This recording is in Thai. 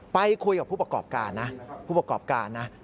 ไปคุยกับผู้ประกอบการนะ